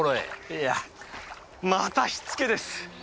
いやまた火付けです。